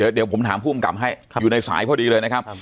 เดี๋ยวผมถามผู้กำกับให้อยู่ในสายพอดีเลยนะครับ